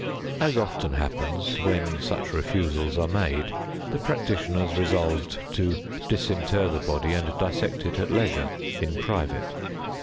As often happens, when such refusals are made, the practitioners resolved to disinter the body and dissect it at leisure, in private.